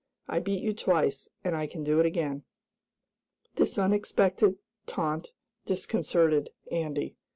I beat you twice, and I can do it again!" This unexpected taunt disconcerted Andy.